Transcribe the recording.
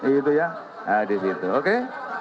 itu ya nah di situ oke